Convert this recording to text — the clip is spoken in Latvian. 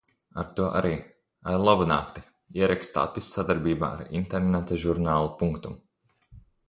Ar to arī – arlabunakti! Ieraksts tapis sadarbībā ar interneta žurnālu Punctum